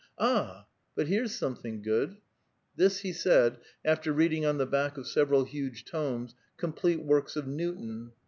Ah ! but here's something good !" bis he said, after reading on the back of several huge 38, " Complete works of Newton."